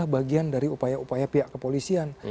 bagian dari upaya upaya pihak kepolisian